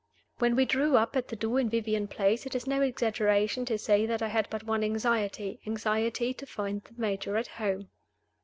When we drew up at the door in Vivian Place, it is no exaggeration to say that I had but one anxiety anxiety to find the Major at home.